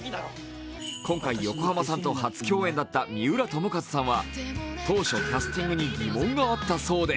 今回、横浜さんと初共演だった三浦友和さんは当初、キャスティングに疑問があったそうで